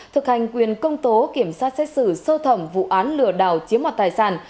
thực hành quyền công tố kiểm sát xét xử sơ thẩm vụ án lừa đảo chiếm mặt tài sản